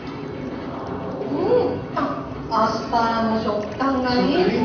うん！あっアスパラの食感がいいですね。